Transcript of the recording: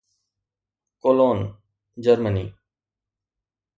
Cologne, Germany